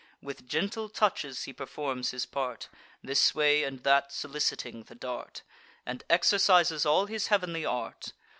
With gentle touches he performs his part, This way and that, soliciting the dart, And exercises all his heav'nly art.